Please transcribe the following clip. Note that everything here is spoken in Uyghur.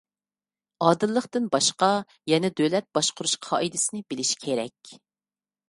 ئادىللىقتىن باشقا، يەنە دۆلەت باشقۇرۇش قائىدىسىنى بىلىش كېرەك.